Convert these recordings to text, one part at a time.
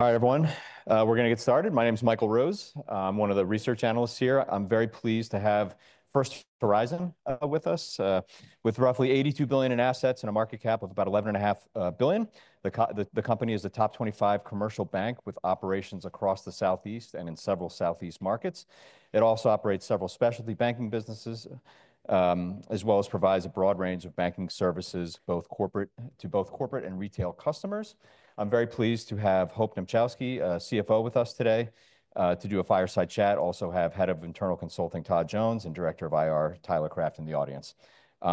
Hi, everyone. We're going to get started. My name is Michael Rose. I'm one of the research analysts here. I'm very pleased to have First Horizon with us, with roughly $82 billion in assets and a market cap of about $11.5 billion. The company is a top-25 commercial bank with operations across the Southeast and in several Southeast markets. It also operates several specialty banking businesses, as well as provides a broad range of banking services, both corporate to both corporate and retail customers. I'm very pleased to have Hope Dmuchowski, CFO, with us today to do a fireside chat. Also have head of internal consulting Todd Jones and director of IR Tyler Craft in the audience.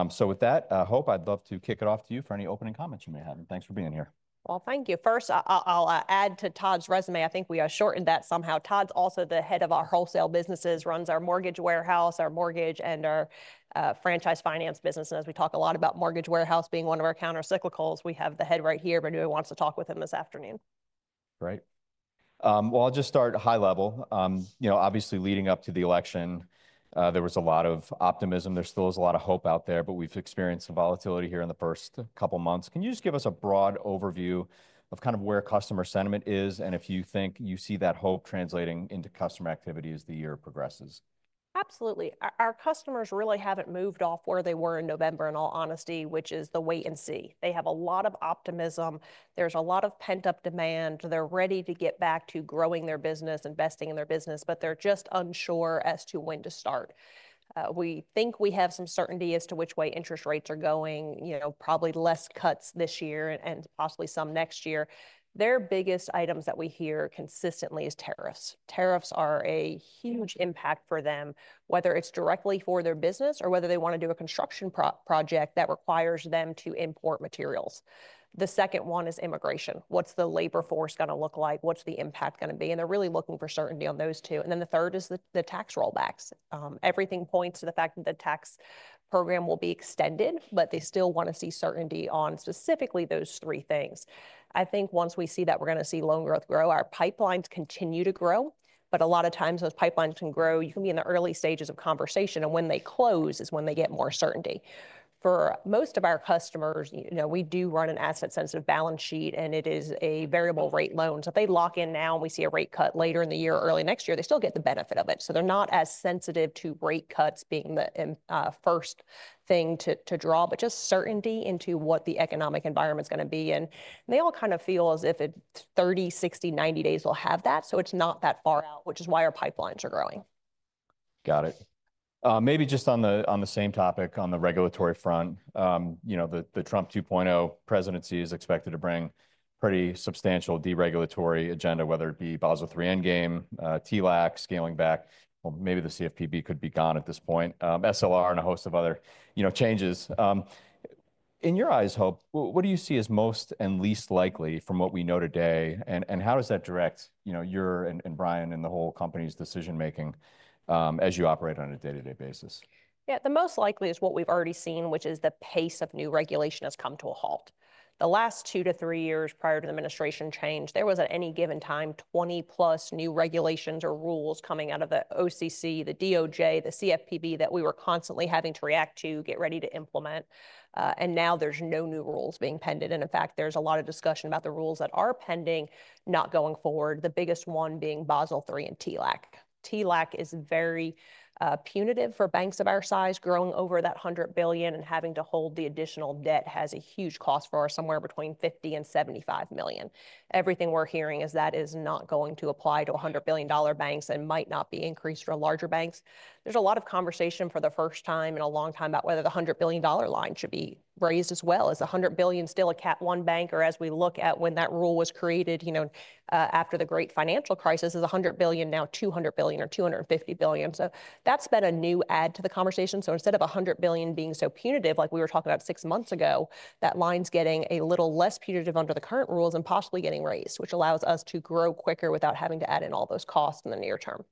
So with that, Hope Dmuchowski, I'd love to kick it off to you for any opening comments you may have. And thanks for being here. Thank you. First, I'll add to Todd Jones resume. I think we shortened that somehow. Todd Jones also the head of our wholesale businesses, runs our mortgage warehouse, our mortgage, and our franchise finance business. And as we talk a lot about mortgage warehouse being one of our counter-cyclicals, we have the head right here. But nobody wants to talk with him this afternoon. Right. Well, I'll just start high level. You know, obviously, leading up to the election, there was a lot of optimism. There still is a lot of hope out there, but we've experienced some volatility here in the first couple of months. Can you just give us a broad overview of kind of where customer sentiment is and if you think you see that hope translating into customer activity as the year progresses? Absolutely. Our customers really haven't moved off where they were in November, in all honesty, which is the wait and see. They have a lot of optimism. There's a lot of pent-up demand. They're ready to get back to growing their business, investing in their business, but they're just unsure as to when to start. We think we have some certainty as to which way interest rates are going, you know, probably less cuts this year and possibly some next year. Their biggest items that we hear consistently is tariffs. Tariffs are a huge impact for them, whether it's directly for their business or whether they want to do a construction project that requires them to import materials. The second one is immigration. What's the labor force going to look like? What's the impact going to be? And they're really looking for certainty on those two. The third is the tax rollbacks. Everything points to the fact that the tax program will be extended, but they still want to see certainty on specifically those three things. I think once we see that we're going to see loan growth grow, our pipelines continue to grow. But a lot of times those pipelines can grow. You can be in the early stages of conversation, and when they close is when they get more certainty. For most of our customers, you know, we do run an asset-sensitive balance sheet, and it is a variable-rate loan. So if they lock in now and we see a rate cut later in the year or early next year, they still get the benefit of it. So they're not as sensitive to rate cuts being the first thing to draw, but just certainty into what the economic environment is going to be. And they all kind of feel as if it's 30 days, 60 days, 90 days we'll have that. So it's not that far out, which is why our pipelines are growing. Got it. Maybe just on the same topic, on the regulatory front, you know, the Trump 2.0 presidency is expected to bring pretty substantial deregulatory agenda, whether it be Basel III Endgame, TLAC scaling back. Maybe the CFPB could be gone at this point, SLR, and a host of other, you know, changes. In your eyes, Hope, what do you see as most and least likely from what we know today? And how does that direct, you know, your and Bryan Jordan and the whole company's decision-making as you operate on a day-to-day basis? Yeah, the most likely is what we've already seen, which is the pace of new regulation has come to a halt. The last two to three years prior to the administration change, there was at any given time 20+ new regulations or rules coming out of the OCC, the DOJ, the CFPB that we were constantly having to react to, get ready to implement. Now there's no new rules being pended. In fact, there's a lot of discussion about the rules that are pending not going forward, the biggest one being Basel III and TLAC. TLAC is very punitive for banks of our size. Growing over that $100 billion and having to hold the additional debt has a huge cost for us, somewhere between $50 and $75 million. Everything we're hearing is that it is not going to apply to $100 billion banks and might not be increased for larger banks. There's a lot of conversation for the first time in a long time about whether the $100 billion line should be raised as well. Is $100 billion still a Capital One bank? Or as we look at when that rule was created, you know, after the Great Financial Crisis, is $100 billion now $200 billion or $250 billion? So that's been a new add to the conversation. So instead of $100 billion being so punitive, like we were talking about six months ago, that line's getting a little less punitive under the current rules and possibly getting raised, which allows us to grow quicker without having to add in all those costs in the near term.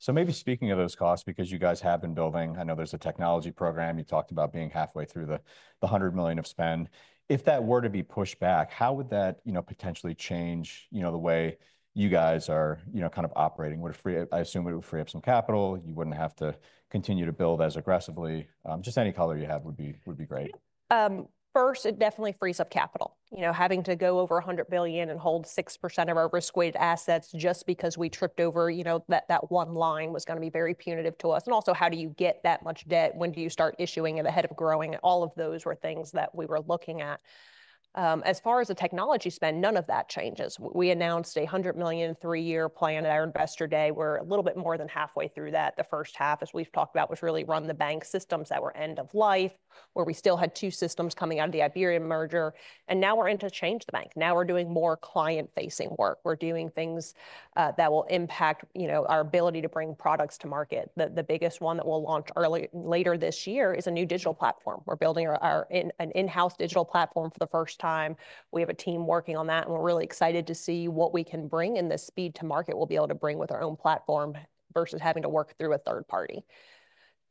So maybe speaking of those costs, because you guys have been building, I know there's a technology program. You talked about being halfway through the $100 million of spend. If that were to be pushed back, how would that, you know, potentially change, you know, the way you guys are, you know, kind of operating? I assume it would free up some capital. You wouldn't have to continue to build as aggressively. Just any color you have would be great. First, it definitely frees up capital. You know, having to go over $100 billion and hold 6% of our risk-weighted assets just because we tripped over, you know, that one line was going to be very punitive to us. And also, how do you get that much debt? When do you start issuing it ahead of growing? All of those were things that we were looking at. As far as the technology spend, none of that changes. We announced a $100 million three-year plan at our investor day. We're a little bit more than halfway through that. The first half, as we've talked about, was really run the bank systems that were end-of-life, where we still had two systems coming out of the IBERIABANK merger. And now we're into change the bank. Now we're doing more client-facing work. We're doing things that will impact, you know, our ability to bring products to market. The biggest one that we'll launch later this year is a new digital platform. We're building an in-house digital platform for the first time. We have a team working on that, and we're really excited to see what we can bring and the speed to market we'll be able to bring with our own platform versus having to work through a third party.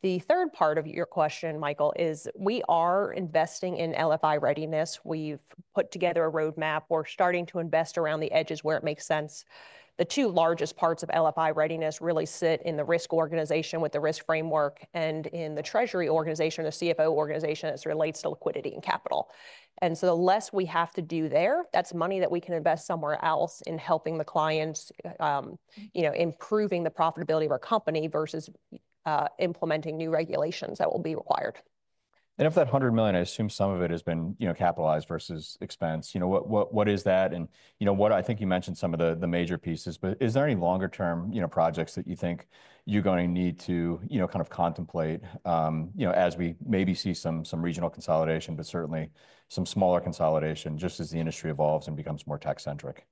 The third part of your question, Michael Rose, is we are investing in LFI readiness. We've put together a roadmap. We're starting to invest around the edges where it makes sense. The two largest parts of LFI readiness really sit in the risk organization with the risk framework and in the treasury organization, the CFO organization as it relates to liquidity and capital. The less we have to do there, that's money that we can invest somewhere else in helping the clients, you know, improving the profitability of our company versus implementing new regulations that will be required. And of that $100 million, I assume some of it has been, you know, capitalized versus expensed. You know, what is that? And, you know, I think you mentioned some of the major pieces, but is there any longer-term, you know, projects that you think you're going to need to, you know, kind of contemplate, you know, as we maybe see some regional consolidation, but certainly some smaller consolidation just as the industry evolves and becomes more tech-centric?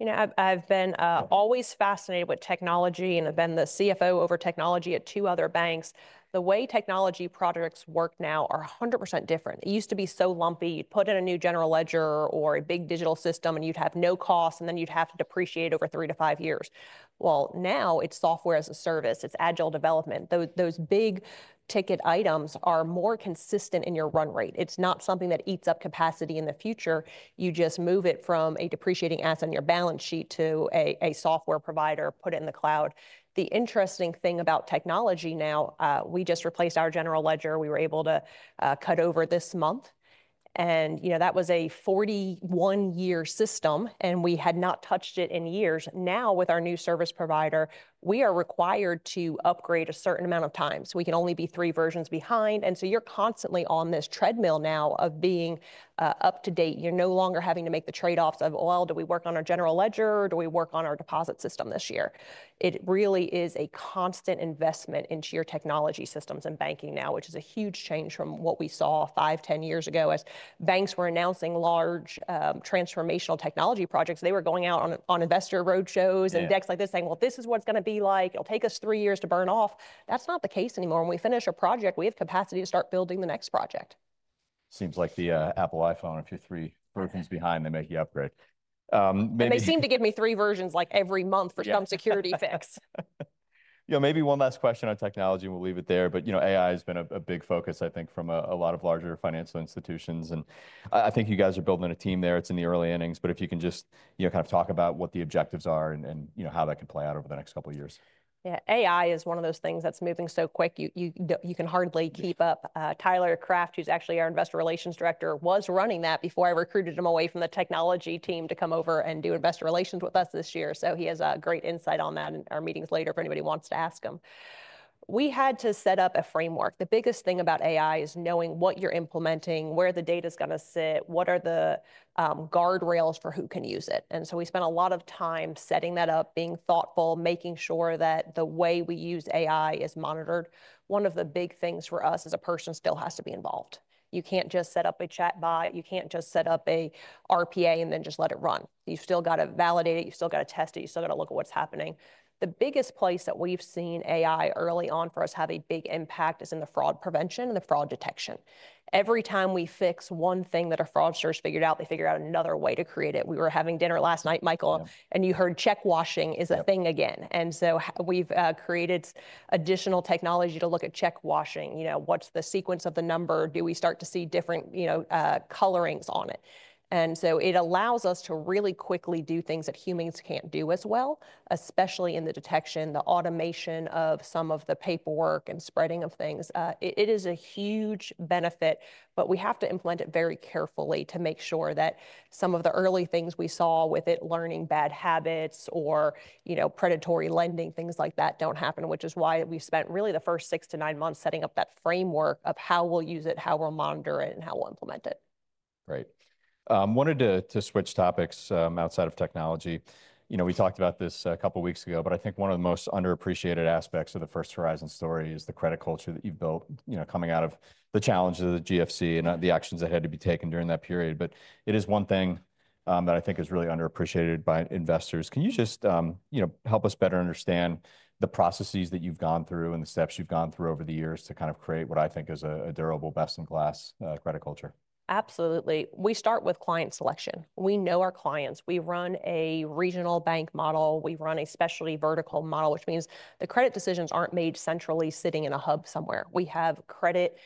You know, I've been always fascinated with technology, and I've been the CFO over technology at two other banks. The way technology projects work now are 100% different. It used to be so lumpy. You'd put in a new general ledger or a big digital system, and you'd have no cost, and then you'd have to depreciate over three to five years. Well, now it's software as a service. It's agile development. Those big ticket items are more consistent in your run rate. It's not something that eats up capacity in the future. You just move it from a depreciating asset on your balance sheet to a software provider, put it in the cloud. The interesting thing about technology now, we just replaced our general ledger. We were able to cut over this month. And, you know, that was a 41-year system, and we had not touched it in years. Now, with our new service provider, we are required to upgrade a certain amount of time. So we can only be three versions behind. And so you're constantly on this treadmill now of being up to date. You're no longer having to make the trade-offs of, well, do we work on our general ledger or do we work on our deposit system this year? It really is a constant investment into your technology systems and banking now, which is a huge change from what we saw five years, 10 years ago as banks were announcing large transformational technology projects. They were going out on investor roadshows and decks like this saying, well, this is what it's going to be like. It'll take us three years to burn off. That's not the case anymore. When we finish a project, we have capacity to start building the next project. Seems like the Apple iPhone, if you're three versions behind, they make you upgrade. They seem to give me three versions like every month for some security fix. You know, maybe one last question on technology, and we'll leave it there. But, you know, AI has been a big focus, I think, from a lot of larger financial institutions. And I think you guys are building a team there. It's in the early innings. But if you can just, you know, kind of talk about what the objectives are and, you know, how that can play out over the next couple of years. Yeah, AI is one of those things that's moving so quick. You can hardly keep up. Tyler Craft, who's actually our investor relations director, was running that before I recruited him away from the technology team to come over and do investor relations with us this year. So he has great insight on that in our meetings later for anybody who wants to ask him. We had to set up a framework. The biggest thing about AI is knowing what you're implementing, where the data is going to sit, what are the guardrails for who can use it. And so we spent a lot of time setting that up, being thoughtful, making sure that the way we use AI is monitored. One of the big things for us is that a person still has to be involved. You can't just set up a chatbot. You can't just set up an RPA and then just let it run. You've still got to validate it. You've still got to test it. You've still got to look at what's happening. The biggest place that we've seen AI early on for us have a big impact is in the fraud prevention and the fraud detection. Every time we fix one thing that our fraudsters figured out, they figured out another way to create it. We were having dinner last night, Michael Rose, and you heard check washing is a thing again. And so we've created additional technology to look at check washing. You know, what's the sequence of the number? Do we start to see different, you know, colorings on it? And so it allows us to really quickly do things that humans can't do as well, especially in the detection, the automation of some of the paperwork and spreading of things. It is a huge benefit, but we have to implement it very carefully to make sure that some of the early things we saw with it, learning bad habits or, you know, predatory lending, things like that don't happen, which is why we've spent really the first six to nine months setting up that framework of how we'll use it, how we'll monitor it, and how we'll implement it. Right. Wanted to switch topics outside of technology. You know, we talked about this a couple of weeks ago, but I think one of the most underappreciated aspects of the First Horizon story is the credit culture that you've built, you know, coming out of the challenges of the GFC and the actions that had to be taken during that period. But it is one thing that I think is really underappreciated by investors. Can you just, you know, help us better understand the processes that you've gone through and the steps you've gone through over the years to kind of create what I think is a durable best-in-class credit culture? Absolutely. We start with client selection. We know our clients. We run a regional bank model. We run a specialty vertical model, which means the credit decisions aren't made centrally sitting in a hub somewhere. We have credit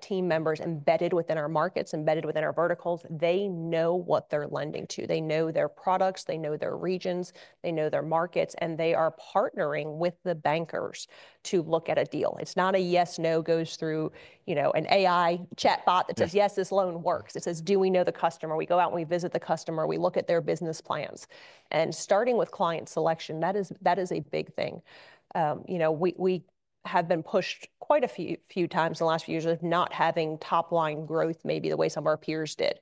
team members embedded within our markets, embedded within our verticals. They know what they're lending to. They know their products. They know their regions. They know their markets. And they are partnering with the bankers to look at a deal. It's not a yes-no goes through, you know, an AI chatbot that says, yes, this loan works. It says, do we know the customer? We go out and we visit the customer. We look at their business plans. And starting with client selection, that is a big thing. You know, we have been pushed quite a few times in the last few years of not having top-line growth, maybe the way some of our peers did.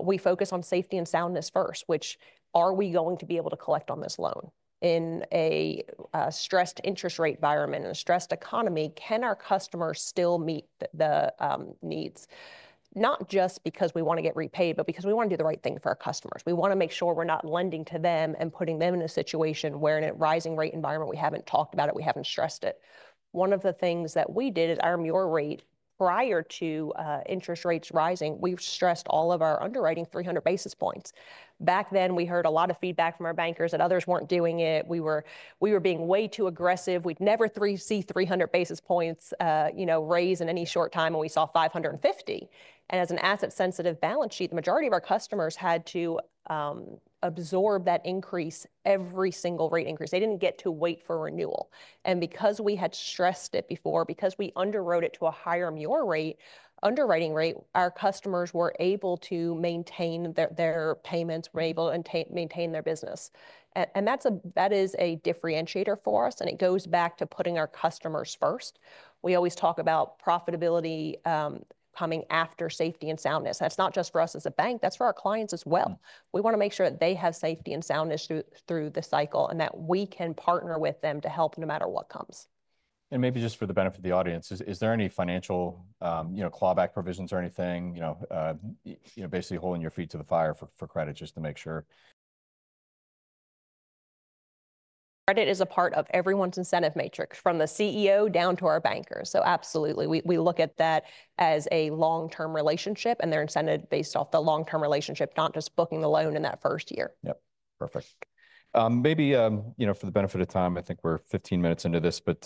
We focus on safety and soundness first, which are we going to be able to collect on this loan? In a stressed interest rate environment and a stressed economy, can our customers still meet the needs? Not just because we want to get repaid, but because we want to do the right thing for our customers. We want to make sure we're not lending to them and putting them in a situation where in a rising rate environment, we haven't talked about it. We haven't stressed it. One of the things that we did is our mortgage rate prior to interest rates rising, we've stressed all of our underwriting 300 basis points. Back then, we heard a lot of feedback from our bankers that others weren't doing it. We were being way too aggressive. We'd never see 300 basis points, you know, raise in any short time, and we saw 550. As an asset-sensitive balance sheet, the majority of our customers had to absorb that increase every single rate increase. They didn't get to wait for renewal. Because we had stressed it before, because we underwrote it to a higher market rate, underwriting rate, our customers were able to maintain their payments, were able to maintain their business. That is a differentiator for us. It goes back to putting our customers first. We always talk about profitability coming after safety and soundness. That's not just for us as a bank. That's for our clients as well. We want to make sure that they have safety and soundness through the cycle and that we can partner with them to help no matter what comes. Maybe just for the benefit of the audience, is there any financial, you know, clawback provisions or anything, you know, basically holding your feet to the fire for credit just to make sure? Credit is a part of everyone's incentive matrix from the CEO down to our bankers. So absolutely, we look at that as a long-term relationship and their incentive based off the long-term relationship, not just booking the loan in that first year. Yep. Perfect. Maybe, you know, for the benefit of time, I think we're 15 minutes into this, but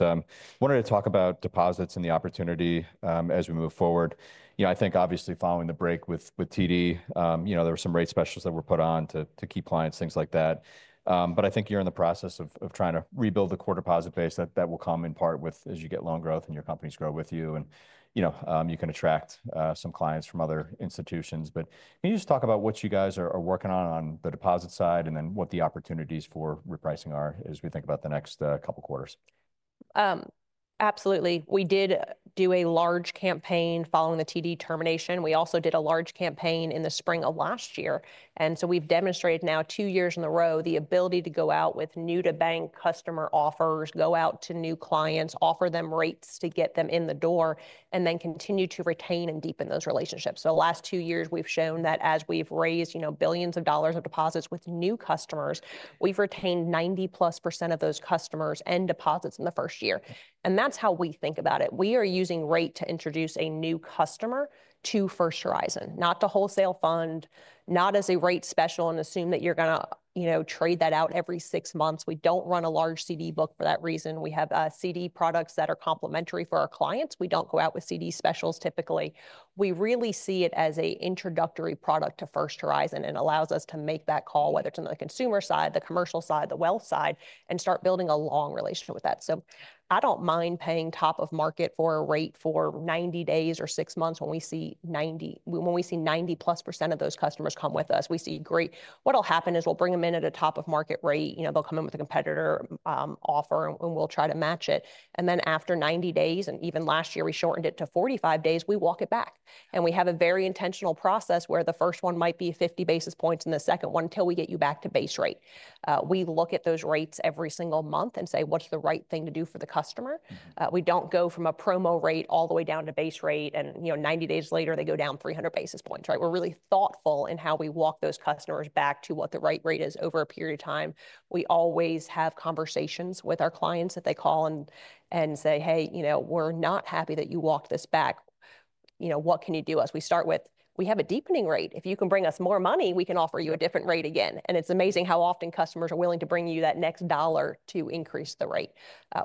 wanted to talk about deposits and the opportunity as we move forward. You know, I think obviously following the break with TD Bank, you know, there were some rate specials that were put on to keep clients, things like that. But I think you're in the process of trying to rebuild the core deposit base that will come in part with, as you get loan growth and your companies grow with you and, you know, you can attract some clients from other institutions. But can you just talk about what you guys are working on the deposit side and then what the opportunities for repricing are as we think about the next couple of quarters? Absolutely. We did do a large campaign following the TD Bank termination. We also did a large campaign in the spring of last year. And so we've demonstrated now two years in a row the ability to go out with new-to-bank customer offers, go out to new clients, offer them rates to get them in the door, and then continue to retain and deepen those relationships. So the last two years, we've shown that as we've raised, you know, billions of dollars of deposits with new customers, we've retained 90%+ of those customers and deposits in the first year. And that's how we think about it. We are using rate to introduce a new customer to First Horizon, not to wholesale fund, not as a rate special and assume that you're going to, you know, trade that out every six months. We don't run a large CD book for that reason. We have CD products that are complementary for our clients. We don't go out with CD specials typically. We really see it as an introductory product to First Horizon and allows us to make that call, whether it's on the consumer side, the commercial side, the wealth side, and start building a long relationship with that. So I don't mind paying top of market for a rate for 90 days or six months when we see 90%, when we see 90%+ of those customers come with us. We see great. What'll happen is we'll bring them in at a top-of-market rate. You know, they'll come in with a competitor offer and we'll try to match it. And then after 90 days, and even last year we shortened it to 45 days, we walk it back. We have a very intentional process where the first one might be 50 basis points and the second one until we get you back to base rate. We look at those rates every single month and say, what's the right thing to do for the customer? We don't go from a promo rate all the way down to base rate and, you know, 90 days later they go down 300 basis points, right? We're really thoughtful in how we walk those customers back to what the right rate is over a period of time. We always have conversations with our clients that they call and say, hey, you know, we're not happy that you walked this back. You know, what can you do? As we start with, we have a deepening rate. If you can bring us more money, we can offer you a different rate again. It's amazing how often customers are willing to bring you that next dollar to increase the rate.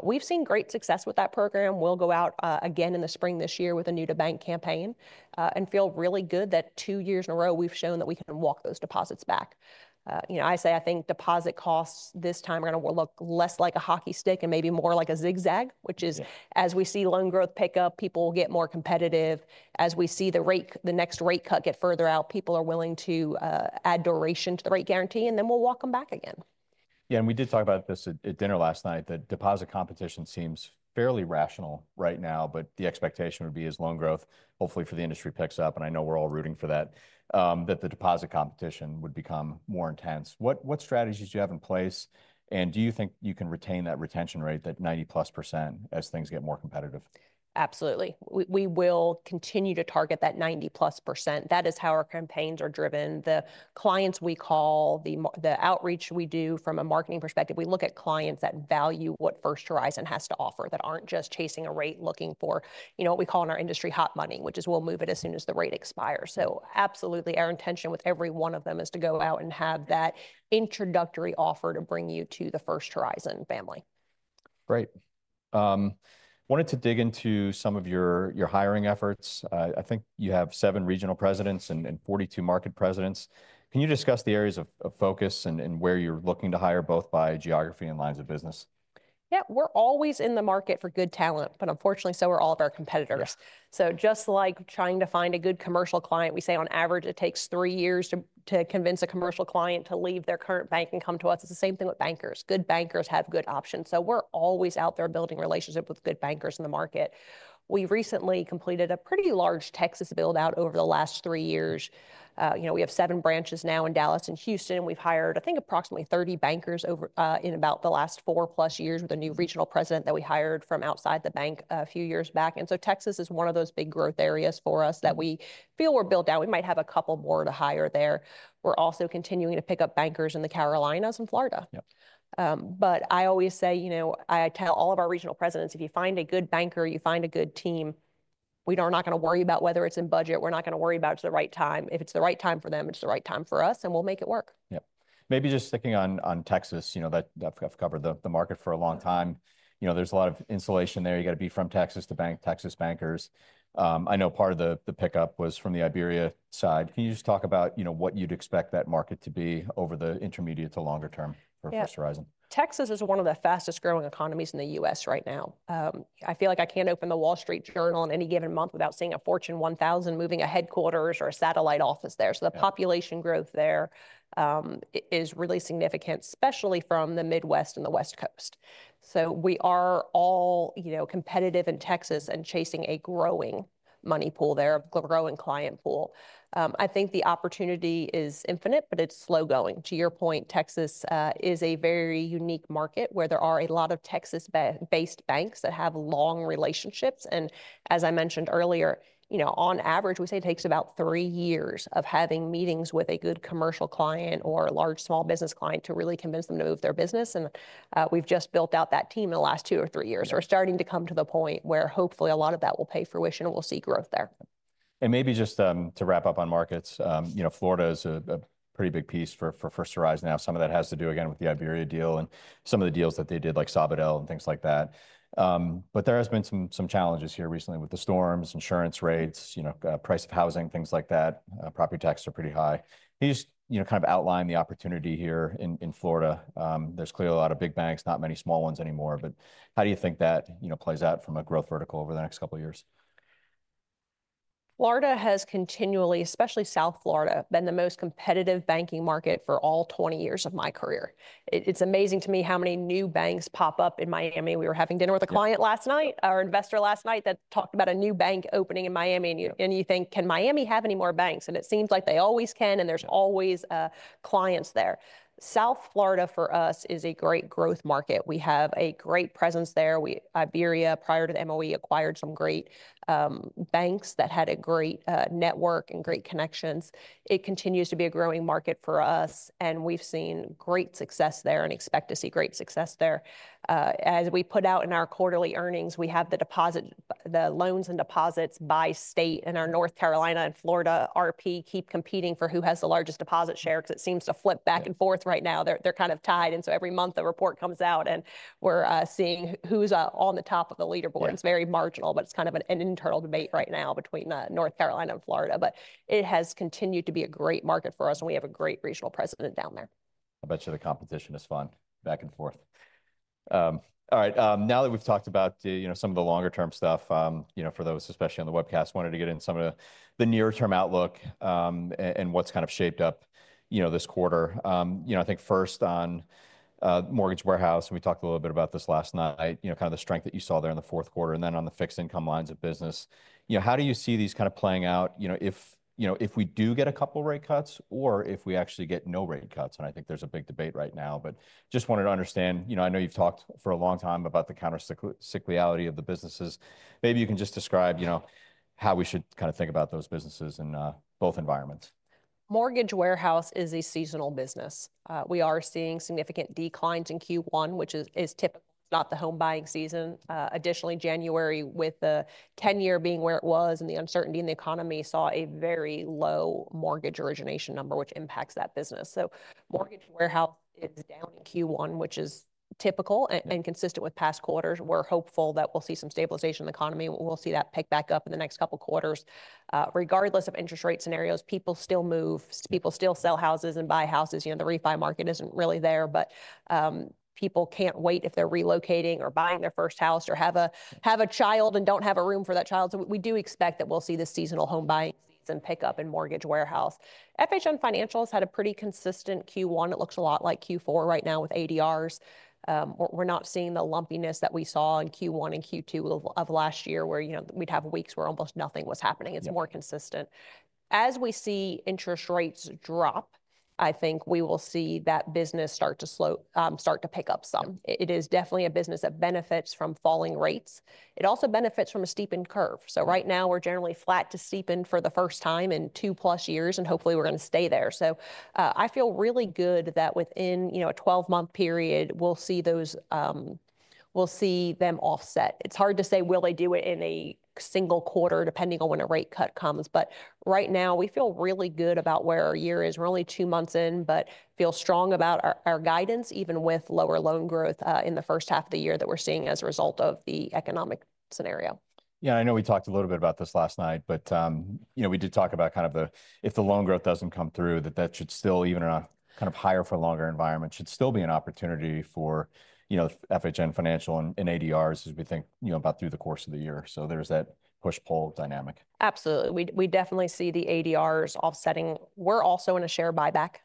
We've seen great success with that program. We'll go out again in the spring this year with a new-to-bank campaign and feel really good that two years in a row we've shown that we can walk those deposits back. You know, I say I think deposit costs this time are going to look less like a hockey stick and maybe more like a zigzag, which is as we see loan growth pick up, people get more competitive. As we see the rate, the next rate cut get further out, people are willing to add duration to the rate guarantee and then we'll walk them back again. Yeah, and we did talk about this at dinner last night that deposit competition seems fairly rational right now, but the expectation would be as loan growth, hopefully for the industry picks up, and I know we're all rooting for that, that the deposit competition would become more intense. What strategies do you have in place? And do you think you can retain that retention rate, that 90%+ as things get more competitive? Absolutely. We will continue to target that 90%+. That is how our campaigns are driven. The clients we call, the outreach we do from a marketing perspective, we look at clients that value what First Horizon has to offer that aren't just chasing a rate looking for, you know, what we call in our industry hot money, which is we'll move it as soon as the rate expires. So absolutely, our intention with every one of them is to go out and have that introductory offer to bring you to the First Horizon family. Great. Wanted to dig into some of your hiring efforts. I think you have seven regional presidents and 42 market presidents. Can you discuss the areas of focus and where you're looking to hire both by geography and lines of business? Yeah, we're always in the market for good talent, but unfortunately so are all of our competitors. So just like trying to find a good commercial client, we say on average it takes three years to convince a commercial client to leave their current bank and come to us. It's the same thing with bankers. Good bankers have good options. So we're always out there building relationships with good bankers in the market. We recently completed a pretty large Texas build-out over the last three years. You know, we have seven branches now in Dallas and Houston. We've hired, I think, approximately 30 bankers in about the last four+ years with a new regional president that we hired from outside the bank a few years back, and so Texas is one of those big growth areas for us that we feel we're built out. We might have a couple more to hire there. We're also continuing to pick up bankers in the Carolinas and Florida. But I always say, you know, I tell all of our regional presidents, if you find a good banker, you find a good team. We are not going to worry about whether it's in budget. We're not going to worry about it's the right time. If it's the right time for them, it's the right time for us, and we'll make it work. Yep. Maybe just sticking on Texas, you know, that I've covered the market for a long time. You know, there's a lot of insulation there. You got to be from Texas to bank, Texas bankers. I know part of the pickup was from the Iberia side. Can you just talk about, you know, what you'd expect that market to be over the intermediate to longer term for First Horizon? Yeah. Texas is one of the fastest growing economies in the U.S. right now. I feel like I can't open the Wall Street Journal in any given month without seeing a Fortune 1000 moving a headquarters or a satellite office there, so the population growth there is really significant, especially from the Midwest and the West Coast, so we are all, you know, competitive in Texas and chasing a growing money pool there, a growing client pool. I think the opportunity is infinite, but it's slow going. To your point, Texas is a very unique market where there are a lot of Texas-based banks that have long relationships, and as I mentioned earlier, you know, on average, we say it takes about three years of having meetings with a good commercial client or a large small business client to really convince them to move their business. We've just built out that team in the last two or three years. We're starting to come to the point where hopefully a lot of that will pay fruition and we'll see growth there. And maybe just to wrap up on markets, you know, Florida is a pretty big piece for First Horizon now. Some of that has to do again with the Iberia deal and some of the deals that they did like Sabadell and things like that. But there have been some challenges here recently with the storms, insurance rates, you know, price of housing, things like that. Property taxes are pretty high. Can you just, you know, kind of outline the opportunity here in Florida? There's clearly a lot of big banks, not many small ones anymore, but how do you think that, you know, plays out from a growth vertical over the next couple of years? Florida has continually, especially South Florida, been the most competitive banking market for all 20 years of my career. It's amazing to me how many new banks pop up in Miami. We were having dinner with a client last night, our investor last night that talked about a new bank opening in Miami, and you think, can Miami have any more banks, and it seems like they always can, and there's always clients there. South Florida for us is a great growth market. We have a great presence there. IBERIABANK, prior to the MOE, acquired some great banks that had a great network and great connections. It continues to be a growing market for us, and we've seen great success there and expect to see great success there. As we put out in our quarterly earnings, we have the loans and deposits by state in our North Carolina and Florida regions keep competing for who has the largest deposit share because it seems to flip back and forth right now. They're kind of tied, and so every month the report comes out and we're seeing who's on the top of the leaderboard. It's very marginal, but it's kind of an internal debate right now between North Carolina and Florida, but it has continued to be a great market for us, and we have a great regional president down there. I bet you the competition is fun back and forth. All right. Now that we've talked about, you know, some of the longer-term stuff, you know, for those, especially on the webcast, wanted to get in some of the near-term outlook and what's kind of shaped up, you know, this quarter. You know, I think first on mortgage warehouse, and we talked a little bit about this last night, you know, kind of the strength that you saw there in the Q4 and then on the fixed income lines of business. You know, how do you see these kind of playing out? You know, if, you know, if we do get a couple of rate cuts or if we actually get no rate cuts, and I think there's a big debate right now, but just wanted to understand, you know, I know you've talked for a long time about the countercyclicality of the businesses. Maybe you can just describe, you know, how we should kind of think about those businesses in both environments? Mortgage Warehouse is a seasonal business. We are seeing significant declines in Q1, which is typical. It's not the home buying season. Additionally, January with the 10-year being where it was and the uncertainty in the economy saw a very low mortgage origination number, which impacts that business. So Mortgage Warehouse is down in Q1, which is typical and consistent with past quarters. We're hopeful that we'll see some stabilization in the economy. We'll see that pick back up in the next couple of quarters. Regardless of interest rate scenarios, people still move. People still sell houses and buy houses. You know, the refi market isn't really there, but people can't wait if they're relocating or buying their first house or have a child and don't have a room for that child. So we do expect that we'll see the seasonal home buying season pick up in Mortgage Warehouse. FHN Financial has had a pretty consistent Q1. It looks a lot like Q4 right now with ADRs. We're not seeing the lumpiness that we saw in Q1 and Q2 of last year where, you know, we'd have weeks where almost nothing was happening. It's more consistent. As we see interest rates drop, I think we will see that business start to slow, start to pick up some. It is definitely a business that benefits from falling rates. It also benefits from a steepened curve. So right now we're generally flat to steepened for the first time in two+ years, and hopefully we're going to stay there. So I feel really good that within, you know, a 12-month period, we'll see those, we'll see them offset. It's hard to say, will they do it in a single quarter, depending on when a rate cut comes, but right now we feel really good about where our year is. We're only two months in, but feel strong about our guidance, even with lower loan growth in the first-half of the year that we're seeing as a result of the economic scenario. Yeah, I know we talked a little bit about this last night, but you know, we did talk about kind of the, if the loan growth doesn't come through, that should still, even in a kind of higher for longer environment, should still be an opportunity for, you know, FHN Financial and ADRs as we think, you know, about through the course of the year. So there's that push-pull dynamic. Absolutely. We definitely see the ADRs offsetting. We're also in a share buyback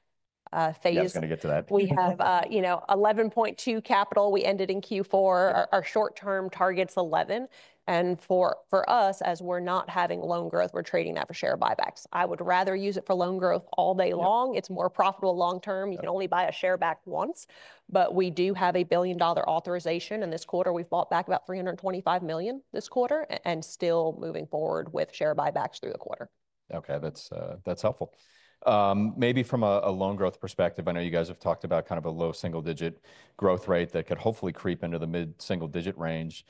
phase. Yeah, I was going to get to that. We have, you know, 11.2 capital. We ended in Q4. Our short-term target's 11. And for us, as we're not having loan growth, we're trading that for share buybacks. I would rather use it for loan growth all day long. It's more profitable long-term. You can only buy a share back once, but we do have a $1 billion authorization. And this quarter we've bought back about $325 million this quarter and still moving forward with share buybacks through the quarter. Okay, that's helpful. Maybe from a loan growth perspective, I know you guys have talked about kind of a low-single-digit growth rate that could hopefully creep into the mid-single-digit range.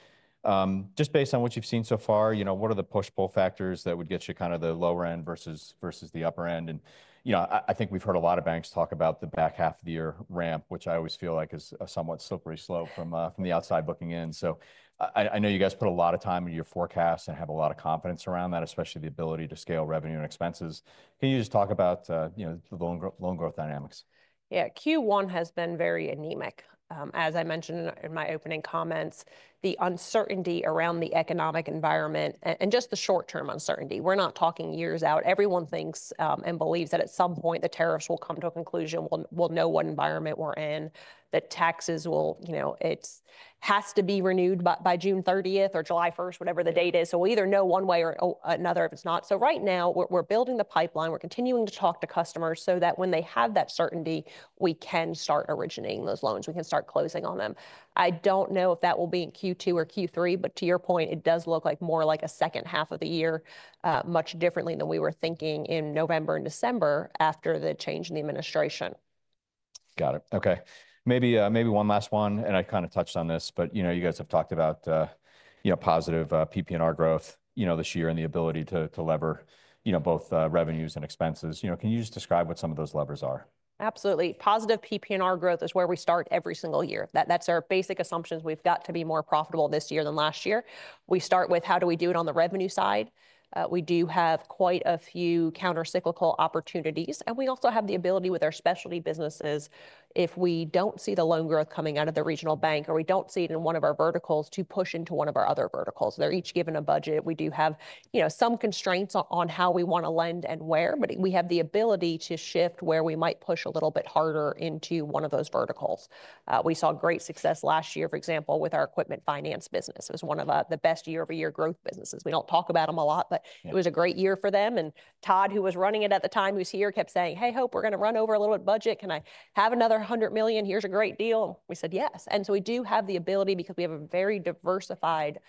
Just based on what you've seen so far, you know, what are the push-pull factors that would get you kind of the lower-end versus the upper-end? And you know, I think we've heard a lot of banks talk about the back half of the year ramp, which I always feel like is somewhat slippery slope from the outside looking in. So I know you guys put a lot of time into your forecasts and have a lot of confidence around that, especially the ability to scale revenue and expenses. Can you just talk about, you know, the loan growth dynamics? Yeah, Q1 has been very anemic. As I mentioned in my opening comments, the uncertainty around the economic environment and just the short-term uncertainty. We're not talking years out. Everyone thinks and believes that at some point the tariffs will come to a conclusion. We'll know what environment we're in. The taxes will, you know, it has to be renewed by June 30th or July 1st, whatever the date is. So we'll either know one way or another if it's not. So right now we're building the pipeline. We're continuing to talk to customers so that when they have that certainty, we can start originating those loans. We can start closing on them. I don't know if that will be in Q2 or Q3, but to your point, it does look like a second-half of the year, much differently than we were thinking in November and December after the change in the administration. Got it. Okay. Maybe one last one, and I kind of touched on this, but you know, you guys have talked about, you know, positive PPNR growth, you know, this year and the ability to lever, you know, both revenues and expenses. You know, can you just describe what some of those levers are? Absolutely. Positive PPNR growth is where we start every single year. That's our basic assumptions. We've got to be more profitable this year than last year. We start with how do we do it on the revenue side. We do have quite a few countercyclical opportunities, and we also have the ability with our specialty businesses, if we don't see the loan growth coming out of the regional bank or we don't see it in one of our verticals, to push into one of our other verticals. They're each given a budget. We do have, you know, some constraints on how we want to lend and where, but we have the ability to shift where we might push a little bit harder into one of those verticals. We saw great success last year, for example, with our equipment finance business. It was one of the best year-over-year growth businesses. We don't talk about them a lot, but it was a great year for them, and Todd Jones, who was running it at the time, who's here, kept saying, "Hey, Hope Dmuchowski, we're going to run over a little bit of budget. Can I have another $100 million? Here's a great deal." We said, "Yes," and so we do have the ability because we have a very diversified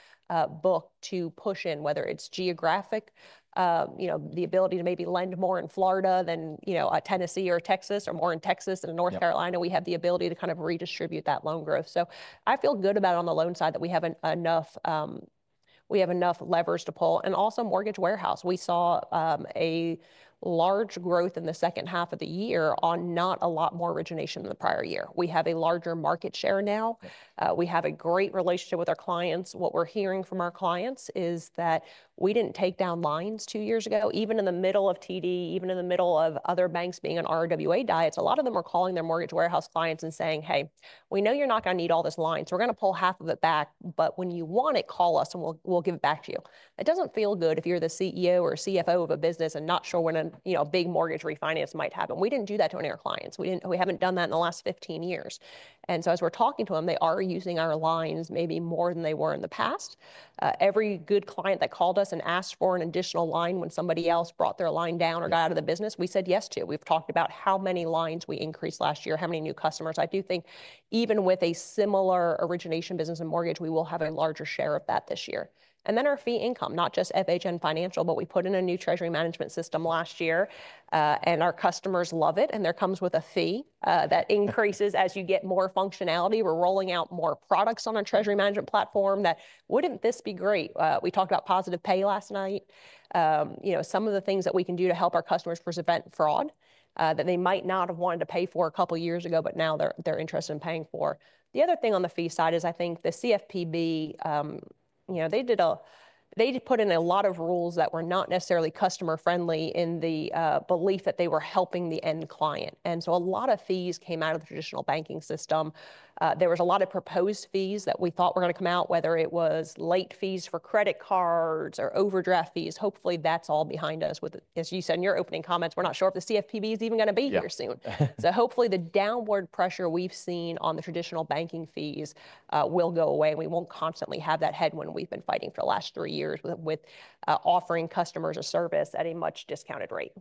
book to push in, whether it's geographic, you know, the ability to maybe lend more in Florida than, you know, Tennessee or Texas or more in Texas than in North Carolina. We have the ability to kind of redistribute that loan growth, so I feel good about on the loan side that we have enough, we have enough levers to pull, and also mortgage warehouse. We saw a large growth in the second half of the year on not a lot more origination than the prior year. We have a larger market share now. We have a great relationship with our clients. What we're hearing from our clients is that we didn't take down lines two years ago, even in the middle of TD Bank, even in the middle of other banks being on RWA diets. A lot of them are calling their mortgage warehouse clients and saying, "Hey, we know you're not going to need all this line. So we're going to pull half of it back, but when you want it, call us and we'll give it back to you." It doesn't feel good if you're the CEO or CFO of a business and not sure when, you know, a big mortgage refinance might happen. We didn't do that to any of our clients. We haven't done that in the last 15 years. And so as we're talking to them, they are using our lines maybe more than they were in the past. Every good client that called us and asked for an additional line when somebody else brought their line down or got out of the business, we said yes to. We've talked about how many lines we increased last year, how many new customers. I do think even with a similar origination business in mortgage, we will have a larger share of that this year. And then our fee income, not just FHN Financial, but we put in a new treasury management system last year and our customers love it. And there comes with a fee that increases as you get more functionality. We're rolling out more products on our treasury management platform. That wouldn't this be great. We talked about positive pay last night. You know, some of the things that we can do to help our customers prevent fraud that they might not have wanted to pay for a couple of years ago, but now they're interested in paying for. The other thing on the fee side is I think the CFPB, you know, they did a, they put in a lot of rules that were not necessarily customer-friendly in the belief that they were helping the end client. And so a lot of fees came out of the traditional banking system. There was a lot of proposed fees that we thought were going to come out, whether it was late fees for credit cards or overdraft fees. Hopefully that's all behind us with, as you said in your opening comments, we're not sure if the CFPB is even going to be here soon. So hopefully the downward pressure we've seen on the traditional banking fees will go away. We won't constantly have that headwind we've been fighting for the last three years with offering customers a service at a much discounted rate.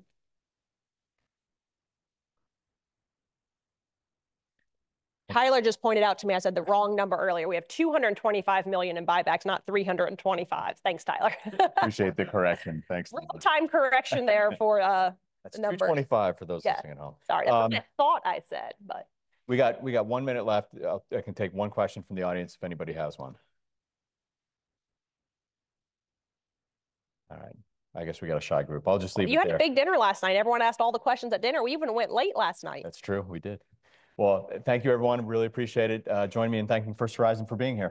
Tyler Craft just pointed out to me, I said the wrong number earlier. We have $225 million in buybacks, not $325 million. Thanks, Tyler Craft. Appreciate the correction. Thanks. Real-time correction there for a number. It's $225 million for those listening at home. Sorry, that's what I thought I said, but. We got one minute left. I can take one question from the audience if anybody has one. All right. I guess we got a shy group. I'll just leave it there. You had a big dinner last night. Everyone asked all the questions at dinner. We even went late last night. That's true. We did. Well, thank you, everyone. Really appreciate it. Join me in thanking First Horizon for being here.